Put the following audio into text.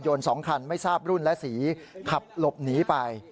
๒คันไม่ทราบรุ่นและสีขับหลบหนีไป